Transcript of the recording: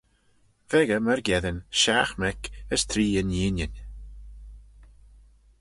V'echey myrgeddin shiaght mec, as three inneenyn.